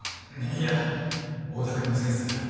いや太田君のセンスだよ。